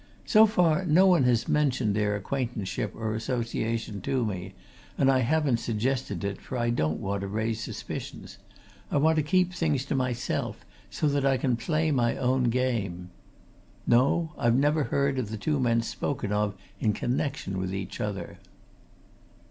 "So far, no one has mentioned their acquaintanceship or association to me, and I haven't suggested it, for I don't want to raise suspicions I want to keep things to myself, so that I can play my own game. No I've never heard the two men spoken of in connection with each other."